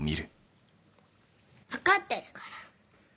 分かってるから。